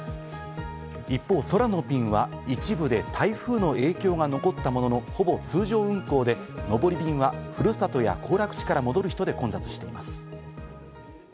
一方、空の便は一部で台風の影響が残ったものの、ほぼ通常運行で、上り便はふるさとや行楽地から戻る人で混雑しています。